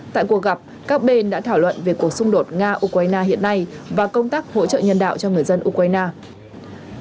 tại cuộc gặp các bên đã thảo luận về cuộc xung đột nga ukraine hiện nay và công tác hỗ trợ nhân đạo cho người dân ukraine